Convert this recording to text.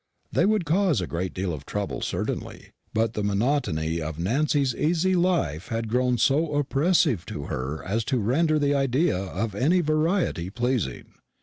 They would cause a great deal of trouble, certainly; but the monotony of Nancy's easy life had grown so oppressive to her as to render the idea of any variety pleasing.